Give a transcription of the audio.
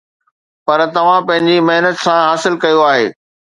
پر توهان پنهنجي محنت سان حاصل ڪيو آهي